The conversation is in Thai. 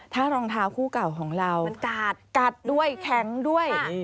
ถ้ารองเท้าคู่เก่าของเรามันกัดด้วยแข็งด้วย